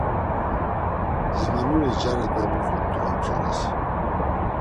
Yemanuri cari doluzurt̆u ontzures.